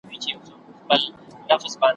کرۍ ورځ پر باوړۍ ګرځي ګړندی دی `